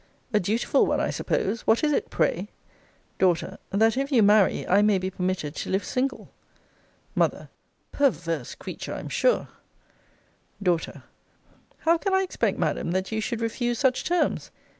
A dutiful one, I suppose. What is it, pray? D. That if you marry, I may be permitted to live single. M. Perverse creature, I'm sure! D. How can I expect, Madam, that you should refuse such terms?